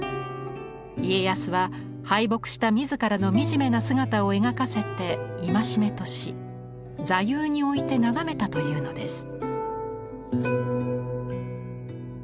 家康は敗北した自らの惨めな姿を描かせて戒めとし座右に置いて眺めたというのです。